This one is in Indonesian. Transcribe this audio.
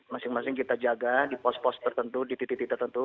masing masing kita jaga di pos pos tertentu di titik titik tertentu